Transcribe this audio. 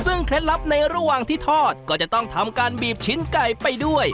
ซึ่งเคล็ดลับในระหว่างที่ทอดก็จะต้องทำการบีบชิ้นไก่ไปด้วย